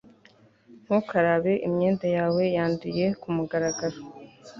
ntukarabe imyenda yawe yanduye kumugaragaro